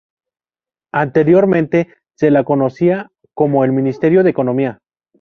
Anteriormente se la conocía como el "Ministerio de Economía".